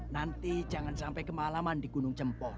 nanti jangan sampai kemalaman di gunung jempol